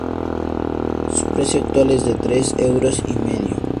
Su precio actual es de tres euros y medio.